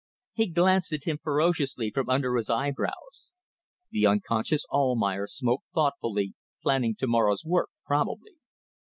He glanced at him ferociously from under his eyebrows. The unconscious Almayer smoked thoughtfully, planning to morrow's work probably.